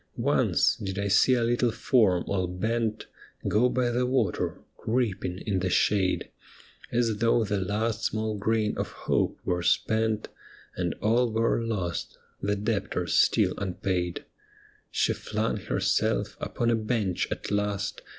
Once did I see a little form all bent Go by the water, creeping in the shade. As though the last small grain of hope were spent, And all were lost, the debtor still unpaid. She flung herself upon a bench at last.